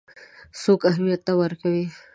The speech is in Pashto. څوک اهمیت نه ورکوي.